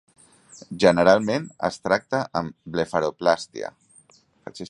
Generalment es tracta amb blefaroplàstia.